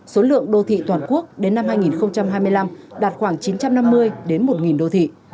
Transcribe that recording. số lượng đô thị toàn quốc đến năm hai nghìn hai mươi năm đạt khoảng chín trăm năm mươi đến một đô thị